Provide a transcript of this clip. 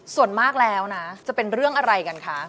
ส่วนมากแล้วนะจะเป็นเรื่องอะไรกันคะ